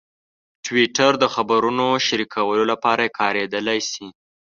ټویټر د خبرونو شریکولو لپاره کارېدلی شي.